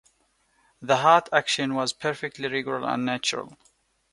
The heart action was perfectly regular and natural.